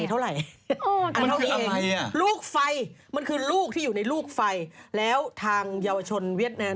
ใช่ไม่ใหญ่เท่าไหร่